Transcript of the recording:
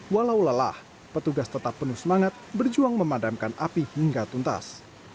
walau lelah petugas tetap penuh semangat berjuang memadamkan api hingga tuntas